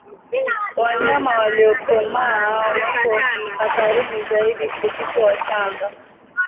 Wanyama waliokomaa wako hatarini zaidi kuliko wachanga